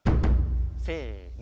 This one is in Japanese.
せの。